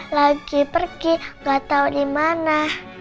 lagi pergi gak tau gimana